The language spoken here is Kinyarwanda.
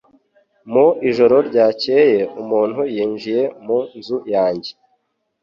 Mu ijoro ryakeye umuntu yinjiye mu nzu yanjye